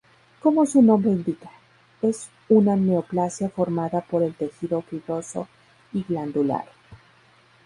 Como su nombre indica, es una neoplasia formada por el tejido fibroso y glandular.